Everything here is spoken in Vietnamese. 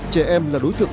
trẻ em là đối tượng